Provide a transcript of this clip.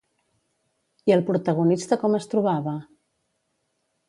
I el protagonista com es trobava?